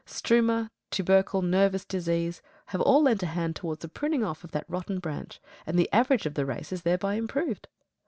Struma, tubercle, nervous disease, have all lent a hand towards the pruning off of that rotten branch, and the average of the race is thereby improved.